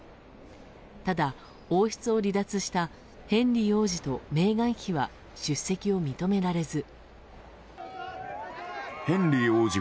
ただ、王室を離脱したヘンリー王子とメーガン妃は出席を認められず。